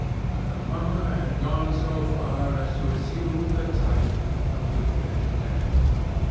But the mummer had gone so far as to assume the type of the Red Death.